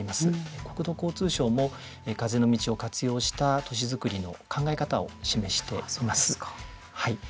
国土交通省も風の道を活用した都市づくりの考え方を示しています。